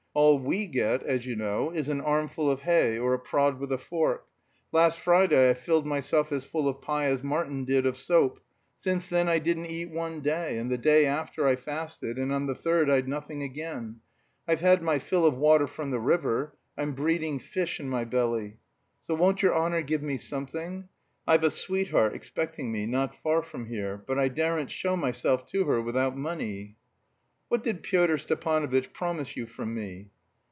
All we get, as you know, is an armful of hay, or a prod with a fork. Last Friday I filled myself as full of pie as Martin did of soap; since then I didn't eat one day, and the day after I fasted, and on the third I'd nothing again. I've had my fill of water from the river. I'm breeding fish in my belly.... So won't your honour give me something? I've a sweetheart expecting me not far from here, but I daren't show myself to her without money." "What did Pyotr Stepanovitch promise you from me?"